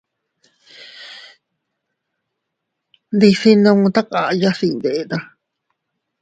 Ndisinnu takaya iyndeta.